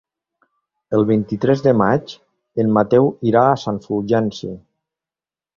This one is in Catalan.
El vint-i-tres de maig en Mateu irà a Sant Fulgenci.